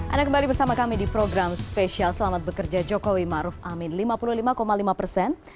anda kembali bersama kami di program spesial selamat bekerja jokowi maruf amin lima puluh lima lima persen